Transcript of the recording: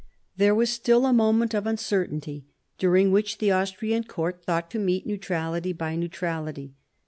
There was still a moment of uncertainty during which the Austrian court thought to meet neutrality by neutrality.